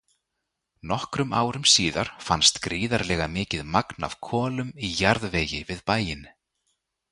Nokkrum árum síðar fannst gríðarlega mikið magn af kolum í jarðvegi við bæinn.